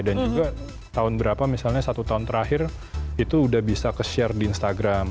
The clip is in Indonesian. dan juga tahun berapa misalnya satu tahun terakhir itu udah bisa keshare di instagram